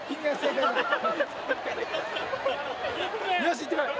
よしいってこい！